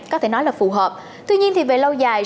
có thể nói là phù hợp tuy nhiên thì về lâu dài